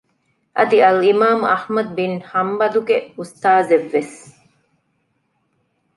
އަދި އަލްއިމާމު އަޙްމަދު ބިން ޙަންބަލުގެ އުސްތާޒެއްވެސް